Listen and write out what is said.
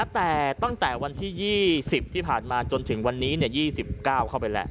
แต่ตั้งแต่วันที่๒๐ที่ผ่านมาจนถึงวันนี้๒๙เข้าไปแล้ว